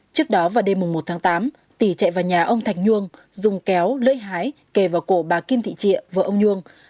trước đó vào đêm một tháng tám tỷ chạy vào nhà ông thạch nhuông dùng kéo lưỡi hái kề vào cổ bà kim thị trịa vợ ông nhuông